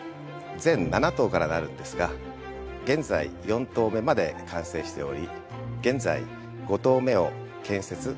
全７棟からなるんですが現在４棟目まで完成しており現在５棟目を建設・販売中です。